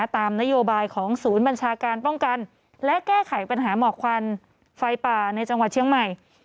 ตามนโยบายของศูนย์บัญชาการป้องกันและแก้ไขปัญหาหมอกควันไฟป่าในจังหวัดเชียงใหม่